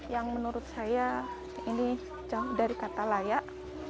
yang menurut saya ini jauh dari kata layak